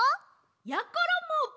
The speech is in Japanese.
やころも！